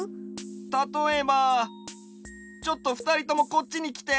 たとえばちょっとふたりともこっちにきて！